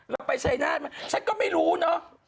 เราไปชัยนาธมาฉันก็ไม่รู้เนอะ